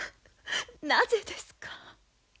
なぜですか。